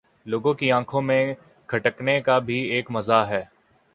لوگوں کی آنکھوں میں کھٹکنے کا بھی ایک مزہ ہے